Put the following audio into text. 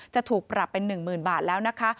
จะถูกปรับเป็น๑๐๐๐บาทแล้วนะคะ